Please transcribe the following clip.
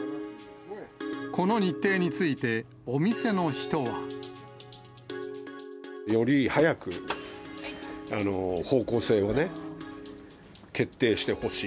この日程について、お店の人は。より早く方向性をね、決定してほしい。